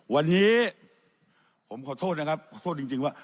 วันนี้ผมขอโทษนะครับขอโทษจริงว่า